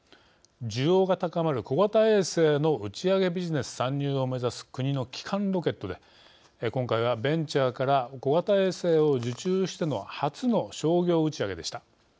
需要が高まる小型衛星の打ち上げビジネス参入を目指す国の基幹ロケットで今回はベンチャーから小型衛星を受注しての初の商業打ち上げでした。